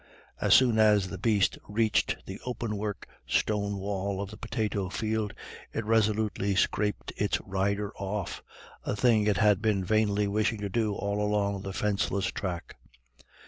As soon as the beast reached the open work stone wall of the potato field it resolutely scraped its rider off, a thing it had been vainly wishing to do all along the fenceless track.